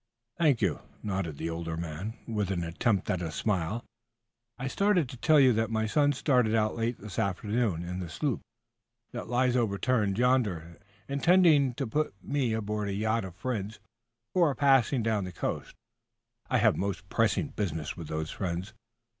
"Thank you," nodded the older man, with an attempt at a smile. "I started to tell you that my son started out late this afternoon, in the sloop that lies overturned yonder, intending to put me aboard the yacht of friends who are passing down the coast. I have most pressing business with those friends.